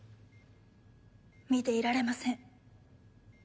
見ていられません。